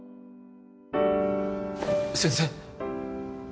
先生！？